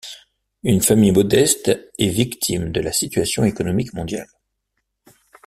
Une famille modeste est victime de la situation économique mondiale.